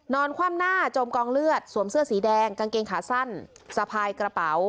คว่ำหน้าจมกองเลือดสวมเสื้อสีแดงกางเกงขาสั้นสะพายกระเป๋า